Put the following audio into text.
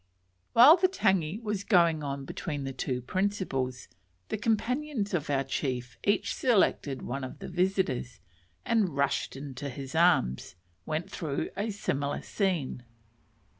While the tangi was going on between the two principals, the companions of our chief each selected one of the visitors, and, rushing into his arms, went through a similar scene.